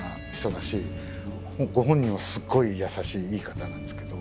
ご本人はすごい優しいいい方なんですけど。